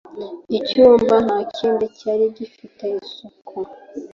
Icyumba ntakindi cyari gifite isuku